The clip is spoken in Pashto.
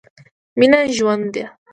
مينه ژوند ده.